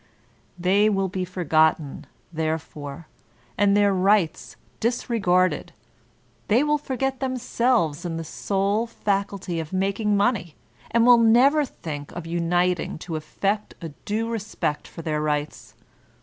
They will be forgotten, therefore, and their rights disregarded. They will forget themselves in the sole faculty of making money, and will never think of uniting to effect a due respect for their rights.